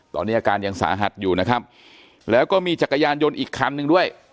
ตอนนี้อาการยังสาหัสอยู่นะครับแล้วก็มีจักรยานยนต์อีกคันหนึ่งด้วย